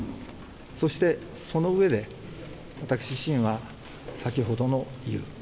そして、そのうえで私自身は、先ほどの理由。